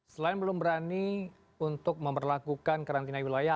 selain belum berani untuk memperlakukan karantina wilayah